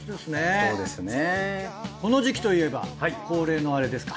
この時期といえば恒例のあれですか？